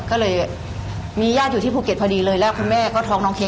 ก็เลยมีญาติอยู่ที่ภูเก็ตพอดีเลยแล้วคุณแม่ก็ท้องน้องเค้